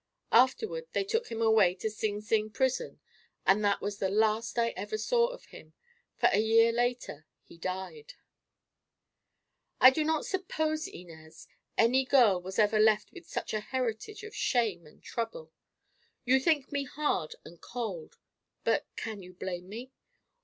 Afterward they took him away to Sing Sing prison, and that was the last I ever saw of him, for a year later he died. "I do not suppose, Inez, any girl was ever left with such a heritage of shame and trouble. You think me hard and cold; but can you blame me?